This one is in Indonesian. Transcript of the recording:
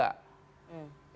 ada yang mendukung mas pantai